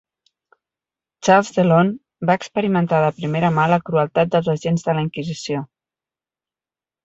Charles Dellon va experimentar de primera mà la crueltat dels agents de la Inquisició.